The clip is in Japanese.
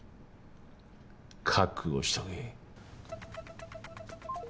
覚悟しとけ。